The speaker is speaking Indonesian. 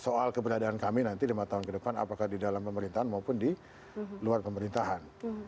soal keberadaan kami nanti lima tahun ke depan apakah di dalam pemerintahan maupun di luar pemerintahan